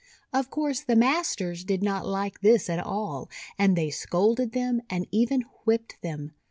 Of course the masters did not like this at all, and they scolded them, and even whipped them.